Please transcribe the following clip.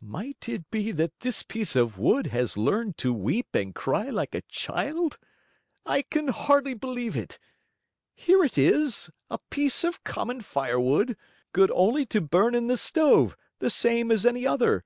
Might it be that this piece of wood has learned to weep and cry like a child? I can hardly believe it. Here it is a piece of common firewood, good only to burn in the stove, the same as any other.